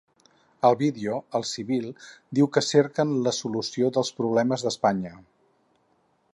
Al vídeo, el civil diu que cerquen ‘la solució dels problemes d’Espanya’.